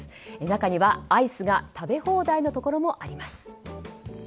中にはアイスが食べ放題のところもあります。